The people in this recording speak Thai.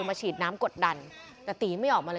ไม่ทำไม่ทำไม่ทำ